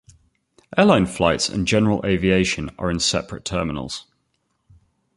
Airline flights and general aviation are in separate terminals.